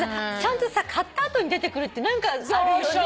買った後に出てくるってあるよね。